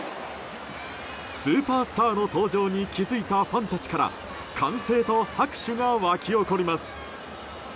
スーパースターの登場に気づいたファンたちから歓声と拍手が沸き起こります。